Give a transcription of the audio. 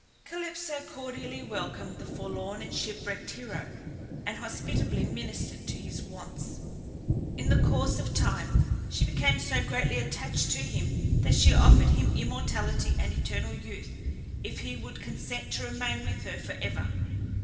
Calypso cordially welcomed the forlorn and shipwrecked hero, and hospitably ministered to his wants. In the course of time she became so greatly attached to him that she offered him immortality and eternal youth if he would consent to remain with her for ever.